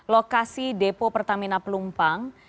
lokasi depo pertamina pelumpang